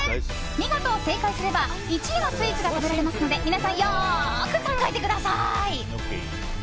見事正解すれば１位のスイーツが食べられますので皆さん、よーく考えてください。